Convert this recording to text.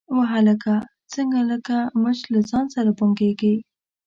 _وه هلکه، څنګه لکه مچ له ځان سره بنګېږې؟